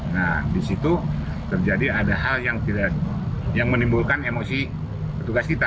nah di situ terjadi ada hal yang menimbulkan emosi petugas kita